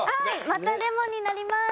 またレモンになります！